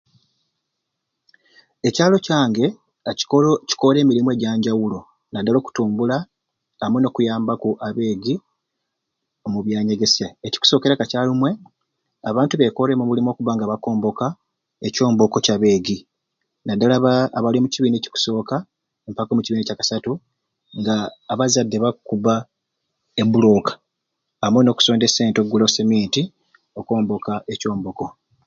Ekyalo kyange a kikoro kikoore emirimu enjanjawulo nadala okutumbula amwe n'okuyambaku abeegi omu byanyegesya, ekikusookera kacaalumwe abantu bekooremu omulimu okubba nga bakwomboka ekyomboko Kya beegi nadala baa abali omu kibiina ekikusooka mpaka mu kibiina Kya kasatu nga abazadde bakkubba ebbulooka amwe n'okusonda e sente oggula o semiiti okwomboka ekyomboko.